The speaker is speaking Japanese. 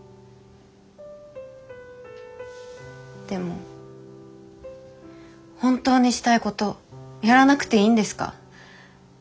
でも本当にしたいことやらなくていいんですか？